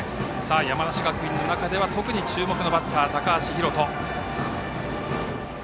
山梨学院の中では特に注目のバッター、高橋海翔。